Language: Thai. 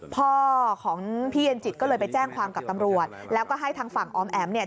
พ่อของพี่เย็นจิตก็เลยไปแจ้งความกับตำรวจแล้วก็ให้ทางฝั่งออมแอ๋มเนี่ย